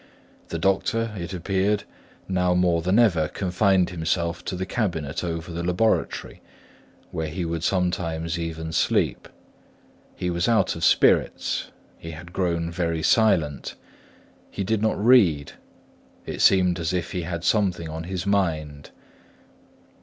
The doctor, it appeared, now more than ever confined himself to the cabinet over the laboratory, where he would sometimes even sleep; he was out of spirits, he had grown very silent, he did not read; it seemed as if he had something on his mind.